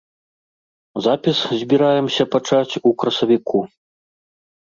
Запіс збіраемся пачаць у красавіку.